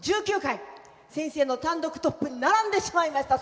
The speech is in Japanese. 先生の単独トップに並んでしまいました。